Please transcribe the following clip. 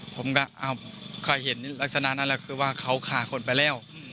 ผมก็เคยเห็นลักษณะนั้นแหละคือว่าเขาฆ่าคนไปแล้ว